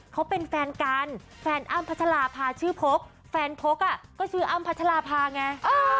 เขาเป็นแฟนกันแฟนอ้ำพัชราภาชื่อพกแฟนพกอ่ะก็ชื่ออ้ำพัชราภาไง